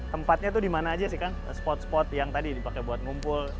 tempatnya tuh di mana aja sih kang spot spot yang tadi dipakai buat ngumpul